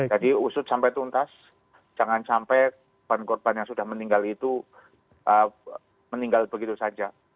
jadi usut sampai tuntas jangan sampai korban korban yang sudah meninggal itu meninggal begitu saja